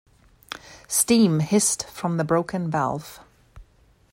Steam hissed from the broken valve.